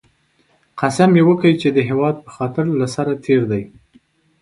قسم یې وکی چې د هېواد په خاطر له سره تېر دی